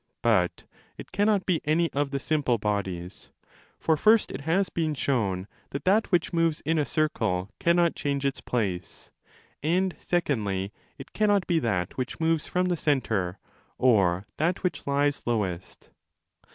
But it cannot be any of the simple bodies. For, first, it has been shown? that that which moves ina circle 30 cannot change its place. And, secondly, it cannot be that which moves from the centre or that which lies lowest.